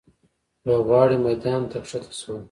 لوبغاړي میدان ته ښکته شول.